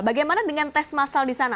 bagaimana dengan tes masal di sana